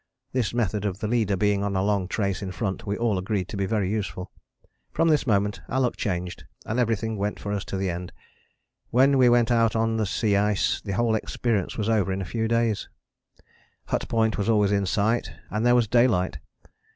This method of the leader being on a long trace in front we all agreed to be very useful. From this moment our luck changed and everything went for us to the end. When we went out on the sea ice the whole experience was over in a few days, Hut Point was always in sight, and there was daylight.